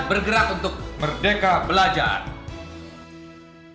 bergerak untuk merdeka belajar